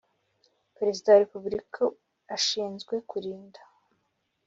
Perezida wa repubulika ashinzwe kurinda